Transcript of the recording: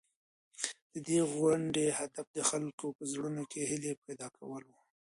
د دغي غونډې هدف د خلکو په زړونو کي د هیلې پیدا کول وو.